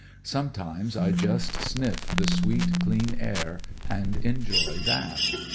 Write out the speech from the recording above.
Sometimes I just sniff the sweet, clean air and enjoy that.